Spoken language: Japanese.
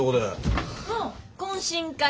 懇親会。